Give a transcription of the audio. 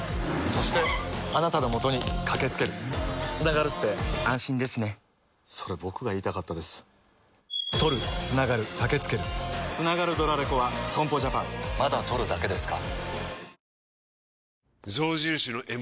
そして、あなたのもとにかけつけるつながるって安心ですねそれ、僕が言いたかったですつながるドラレコは損保ジャパンまだ録るだけですか？